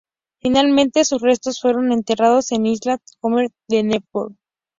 Finalmente sus restos fueron enterrados en el Island Cemetery de Newport.